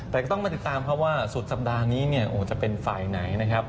แต่ก็ต้องมาติดตามครับว่าสุดสัปดาห์นี้เนี่ยจะเป็นฝ่ายไหนนะครับ